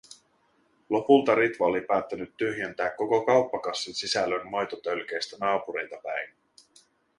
Lopulta Ritva oli päättänyt tyhjentää koko kauppakassin sisällön maitotölkeistä naapureita päin.